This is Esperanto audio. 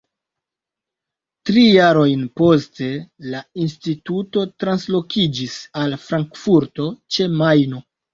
Tri jarojn poste la instituto translokiĝis al Frankfurto ĉe Majno.